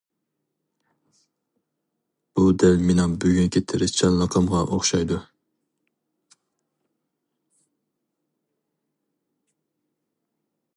بۇ دەل مېنىڭ بۈگۈنكى تىرىشچانلىقىمغا ئوخشايدۇ.